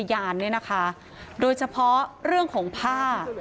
มาจากหน้าปากซอยหรอครับ